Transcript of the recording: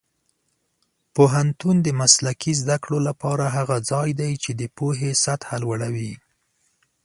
پوهنتون د مسلکي زده کړو لپاره هغه ځای دی چې د پوهې سطح لوړوي.